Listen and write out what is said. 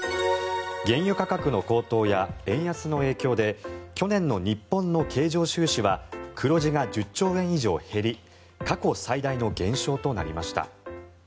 原油価格の高騰や円安の影響で去年の日本の経常収支は黒字が１０兆円以上減り過去最大の減少となりました。